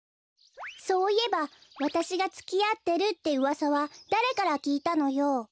そういえばわたしがつきあってるってうわさはだれからきいたのよ？